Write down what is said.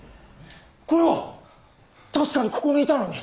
これは⁉確かにここにいたのに！